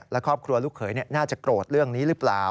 และครอบครัวลูกเขยน่าจะโกรธเรื่องนี้หรือเปล่า